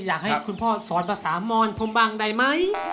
อยากให้คุณพ่อสอนภาษามอนผมบ้างได้ไหม